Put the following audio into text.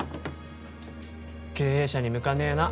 経営者に向かねえな。